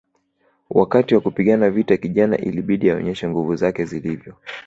Wakati wa kupigana vita kijana ilibidi aonyeshe nguvu zake zilivyo